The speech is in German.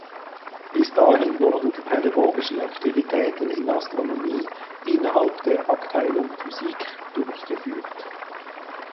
Bis dahin wurden die pädagogischen Aktivitäten in Astronomie innerhalb der Abteilung Physik durchgeführt.